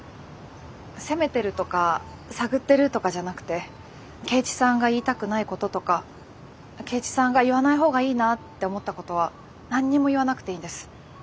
責めてるとか探ってるとかじゃなくて圭一さんが言いたくないこととか圭一さんが言わない方がいいなって思ったことは何にも言わなくていいんです。